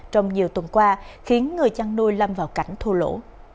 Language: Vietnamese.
trong nhiều tuần qua khiến người chăn nuôi lâm vào cảnh thua lỗ